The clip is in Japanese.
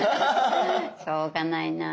しょうがないなあ。